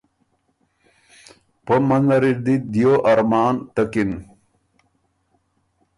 بس پۀ منځ نر اِر دی دیو ارمان تکِن۔